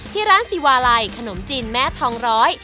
ที่ร้านซีวาลัยขนมจีนแม่ทองร้อย